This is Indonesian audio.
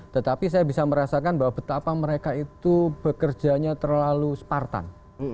tetapi saya bisa merasakan bahwa betapa mereka itu bekerjanya terlalu spartan